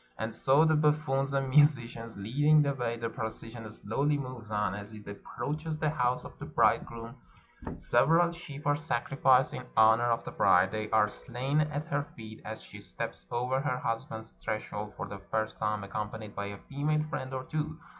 And so, the buffoons and musicians leading the way, the procession slowly moves on. As it approaches the house of the bridegroom several sheep are sacrificed in honor of the bride ; they are slain at her feet as she steps over her husband's threshold for the first time, accompanied by a female friend or two.